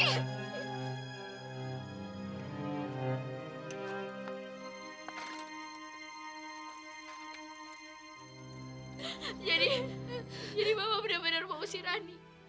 jadi jadi papa bener bener mau usir rani